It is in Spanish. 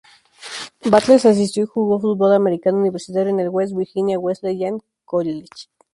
Battles asistió y jugó fútbol americano universitario en el West Virginia Wesleyan College.